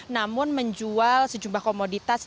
namun menjual sejumlah komoditas